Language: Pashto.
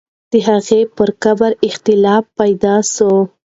د هغې پر قبر اختلاف پیدا سوی وو.